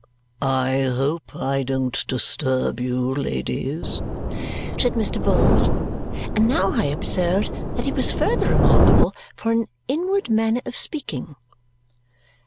"I hope I don't disturb you, ladies," said Mr. Vholes, and now I observed that he was further remarkable for an inward manner of speaking.